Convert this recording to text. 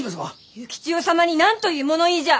幸千代様に何という物言いじゃ！